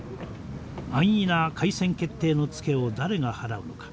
安易な開戦決定の付けを誰が払うのか。